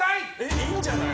いいんじゃない？